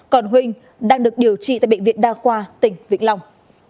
còn huỳnh đang được điều trị tại bệnh viện đa khoa tỉnh vĩnh long